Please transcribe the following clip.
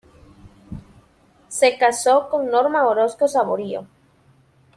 Se casó con Norma Orozco Saborío.